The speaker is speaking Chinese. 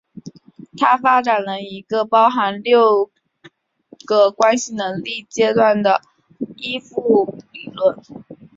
他发展了一种包含有六个关系能力阶段的依附理论。